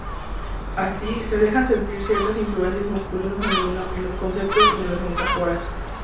Así, se dejan sentir ciertas influencias masculino-femenino en los conceptos y en las metáforas.